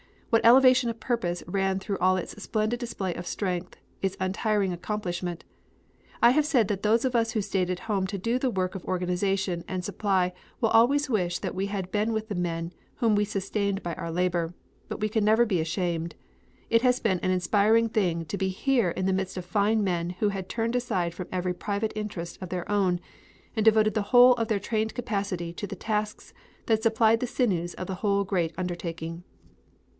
What elevation of purpose ran through all its splendid display of strength, its untiring accomplishment. I have said that those of us who stayed at home to do the work of organization and supply will always wish that we had been with the men whom we sustained by our labor; but we can never be ashamed. It has been an inspiring thing to be here in the midst of fine men who had turned aside from every private interest of their own and devoted the whole of their trained capacity to the tasks that supplied the sinews of the whole great undertaking!